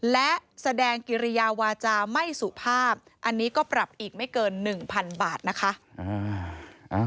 และแสดงกิริยาวาจาไม่สุภาพอันนี้ก็ปรับอีกไม่เกิน๑๐๐๐บาทนะคะ